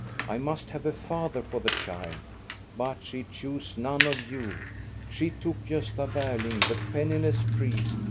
I must have a father for the child !' But she chose none of you. She took GiJsta Berling, the penniless iest.